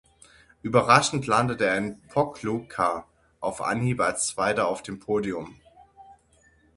Überraschend landete er in Pokljuka auf Anhieb als Zweiter auf dem Podium.